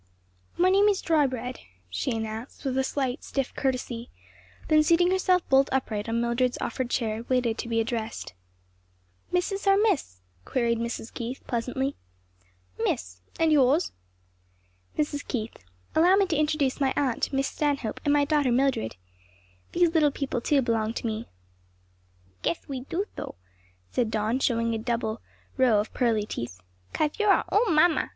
"My name is Drybread," she announced with a slight, stiff courtesy; then seating herself bolt upright on Mildred's offered chair, waited to be addressed. "Mrs. or Miss?" queried Mrs. Keith pleasantly. "Miss. And yours?" "Mrs. Keith. Allow me to introduce my aunt, Miss Stanhope, and my daughter Mildred. These little people too belong to me." "Gueth we do so?" said Don, showing a double row of pearly teeth, "cauth you're our own mamma.